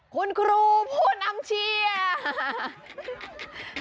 คุณครูผู้นำเชียร์